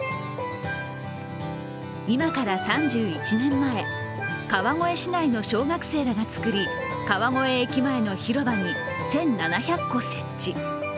今から３１年前、川越市内の小学生らが作り川越駅前の広場に１７００個設置。